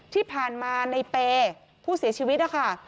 ที่ผ่านมาในเปย์ผู้เสียชีวิตนะคะ